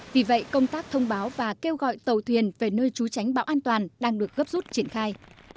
vì vậy công tác thông báo và kêu gọi tàu thuyền về nơi trú tránh bão an toàn đang được gấp rút triển khai